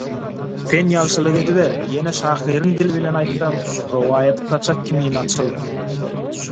Sen ýagşylyk ediber, ýene şahyryň dili bilen aýtsam «Rowaýaty saçak kimin açyl.»